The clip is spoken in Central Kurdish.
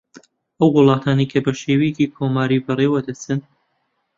ئەو وڵاتانەی کە بە شێوازی کۆماری بە ڕێوە دەچن